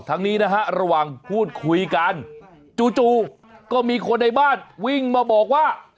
นี้นะฮะระหว่างพูดคุยกันจู่ก็มีคนในบ้านวิ่งมาบอกว่า